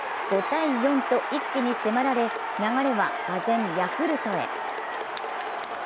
５−４と一気に迫られ流れは俄然ヤクルトへ。